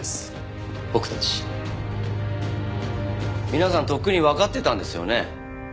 皆さんとっくにわかってたんですよね？